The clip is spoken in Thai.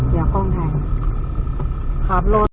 เดี๋ยวคล่องถ่ายขับรถ